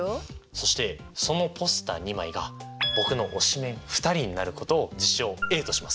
そしてそのポスター２枚が僕の推しメン２人になることを事象Ａとします。